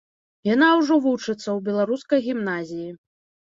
Яна ўжо вучыцца ў беларускай гімназіі.